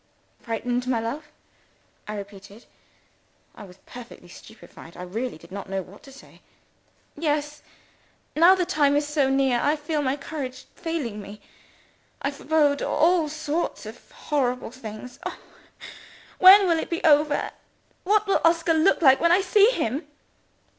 "Frightened, my love?" I repeated. (I was perfectly stupefied; I really did not know what to say!) "Yes. Now the time is so near, I feel my courage failing me. I forbode all sorts of horrible things. Oh! when will it be over? what will Oscar look like when I see him?"